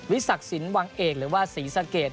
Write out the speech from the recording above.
ศักดิ์สินวังเอกหรือว่าศรีสะเกด